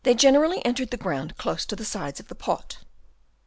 generally entered the ground close to the sides of the pot.